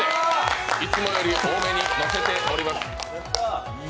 いつもより多めにのせております。